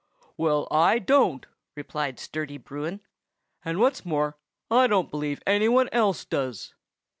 "Well, I don't," replied sturdy Bruin; "and what's more, I don't believe any one else does!"